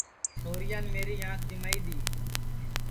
چھورِیان میری آنٚکھ جِمائی دؔی